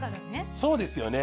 そうですよね。